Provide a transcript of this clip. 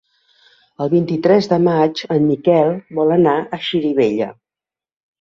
El vint-i-tres de maig en Miquel vol anar a Xirivella.